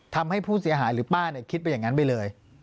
ทำให้ผู้เสียหายหรือป้าคิดไปอย่างนั้นไปเลย